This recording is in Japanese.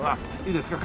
いいですか？